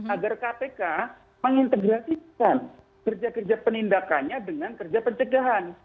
agar kpk mengintegrasikan kerja kerja penindakannya dengan kerja pencegahan